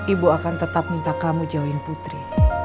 ibu akan tetap minta kamu join putri